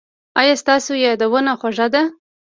ایا ستاسو یادونه خوږه ده؟